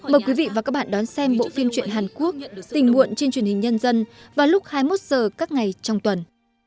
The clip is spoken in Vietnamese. mời quý vị và các bạn đón xem bộ phim truyện hàn quốc tình nguyện trên truyền hình nhân dân vào lúc hai mươi một h các ngày trong tuần